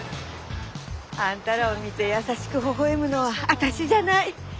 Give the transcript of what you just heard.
あんたらを見て優しくほほ笑むのは私じゃない。